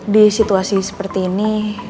di situasi seperti ini